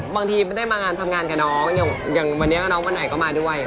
บางทีไม่ได้มางานทำงานกับน้องอย่างวันนี้น้องวันไหนก็มาด้วย